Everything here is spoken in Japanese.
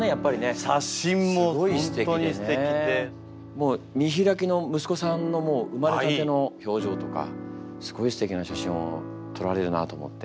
もう見開きの息子さんの生まれたての表情とかすごいすてきな写真を撮られるなと思って。